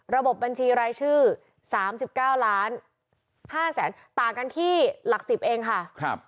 ระบบบัญชีรายชื่อ๓๙๕๐๐๐๐๐ต่างกันที่หลัก๑๐เองค่ะ